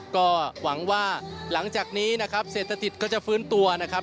ก็หวังว่าหลังจากนี้นะครับเศรษฐกิจก็จะฟื้นตัวนะครับ